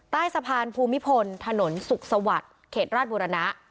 ใต้สะพานภูมิพลถนนสุขสวัสดิ์เขตราชบุรณะ